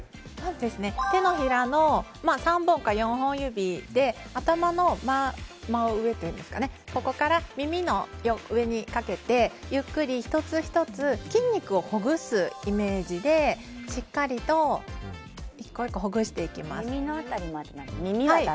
手のひらの３本か４本指で頭の真上から耳の上にかけてゆっくり１つ１つ、筋肉をほぐすイメージで、しっかりと１個１個ほぐしていきます。